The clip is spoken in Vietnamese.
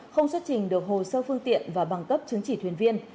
không xuất trình được hồ sơ phương tiện và bằng cấp chứng chỉ thuyền viên